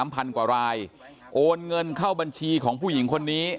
พันกว่ารายโอนเงินเข้าบัญชีของผู้หญิงคนนี้